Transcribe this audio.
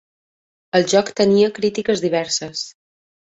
El joc tenia crítiques diverses.